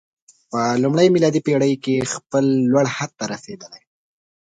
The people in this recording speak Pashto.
په لومړۍ میلادي پېړۍ کې خپل لوړ حد ته رسېدلی.